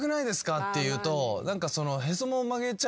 って言うと。